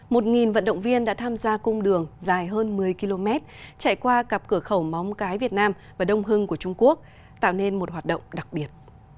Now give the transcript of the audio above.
một vận động viên đã tham gia cung đường dài hơn một mươi km chạy qua cặp cửa khẩu móng cái việt nam và đông hưng của trung quốc tạo nên một hoạt động đặc biệt